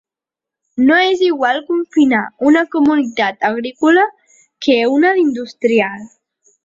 No és igual confinar una comunitat agrícola que una d’industrial.